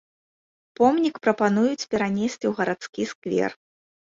Помнік прапануюць перанесці ў гарадскі сквер.